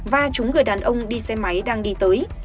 và chúng người đàn ông đi xe máy đang đi tới